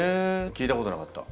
聞いたことなかった。